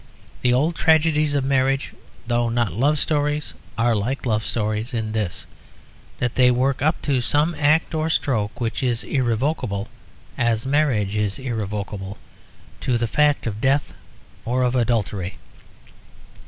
The old tragedies of marriage, though not love stories, are like love stories in this, that they work up to some act or stroke which is irrevocable as marriage is irrevocable; to the fact of death or of adultery.